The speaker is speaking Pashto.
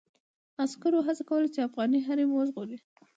عسکرو هڅه کوله چې افغاني حريم وژغوري.